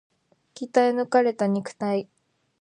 鍛え抜かれた肉体